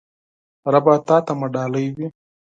ربه تاته مې ډالۍ وی